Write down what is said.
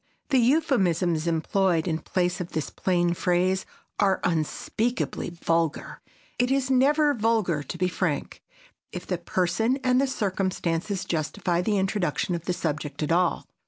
The euphemisms employed in place of this plain phrase are unspeakably vulgar. It is never vulgar to be frank if the person and the circumstances justify the introduction of the subject at all.